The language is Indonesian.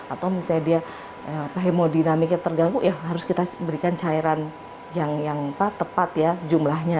atau misalnya dia hemodinamiknya terganggu ya harus kita berikan cairan yang tepat ya jumlahnya